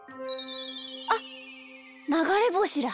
あっながれぼしだ。